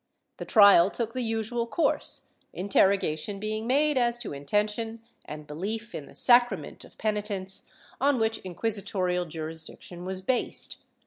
The trial took the usual course, interrogation being made as to intention and belief in the sacrament of penitence, on which inquisitorial jurisdiction was based.